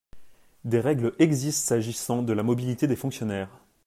Des règles existent s’agissant de la mobilité des fonctionnaires.